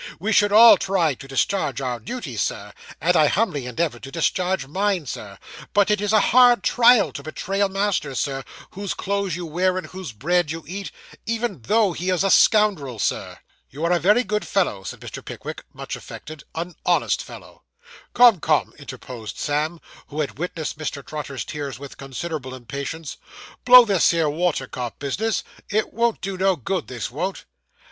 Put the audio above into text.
'We should all try to discharge our duty, Sir, and I humbly endeavour to discharge mine, Sir; but it is a hard trial to betray a master, Sir, whose clothes you wear, and whose bread you eat, even though he is a scoundrel, Sir.' 'You are a very good fellow,' said Mr. Pickwick, much affected; 'an honest fellow.' 'Come, come,' interposed Sam, who had witnessed Mr. Trotter's tears with considerable impatience, 'blow this 'ere water cart bis'ness. It won't do no good, this won't.